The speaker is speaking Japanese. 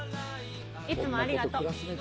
いつもありがと。